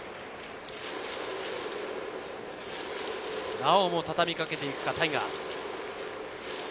なおも畳みかけていったタイガース。